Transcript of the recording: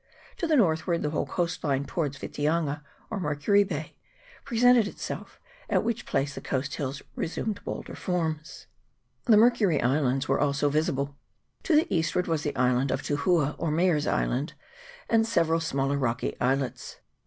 To the northward the whole coast line towards Witianga, or Mercury Bay, presented itself, at which place the coast hills resumed bolder forms; the Mercury Islands also were visible : to the eastward was the island of Tuhua, or Mayor's Island, and several smaller rocky islets.